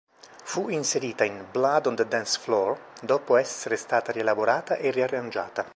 Fu inserita in "Blood on the Dance Floor" dopo essere stata rielaborata e riarrangiata.